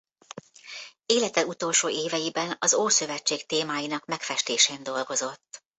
Élete utolsó éveiben az Ószövetség témáinak megfestésén dolgozott.